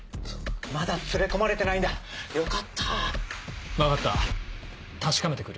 まだ連れ込まれてないんだよかった。分かった確かめて来る。